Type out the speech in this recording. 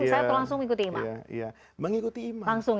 atau langsung mengikuti imam